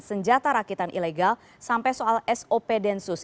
senjata rakitan ilegal sampai soal sop densus